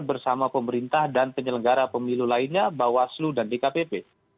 bersama pemerintah dan penyelenggara pemilu lainnya bawaslu dan dkpp